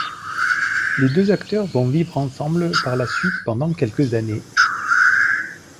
Les deux acteurs vont vivre ensemble par la suite pendant quelques années.